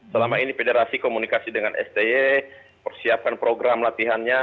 selama ini federasi komunikasi dengan sti persiapkan program latihannya